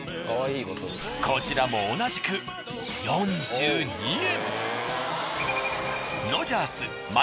こちらも同じく４２円。